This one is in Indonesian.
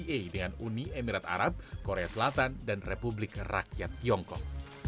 dan membuat tca dengan uni emirat arab korea selatan dan republik rakyat tiongkok